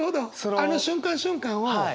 あの瞬間瞬間を。